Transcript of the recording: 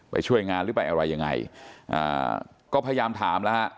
ไปช่วยงานหรือไปอะไรยังไงก็พยายามถามนะฮะ